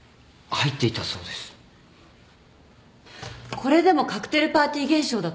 これでもカクテルパーティー現象だと？